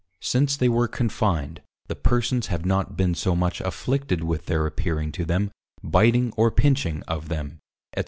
Since they were confined, the Persons have not been so much Afflicted with their appearing to them, Biteing or Pinching of them &c.